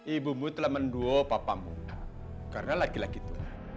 ibumu telah mendua bapamu karena laki laki itu